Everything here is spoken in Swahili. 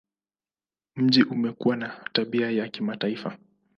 Mji umekuwa na tabia ya kimataifa.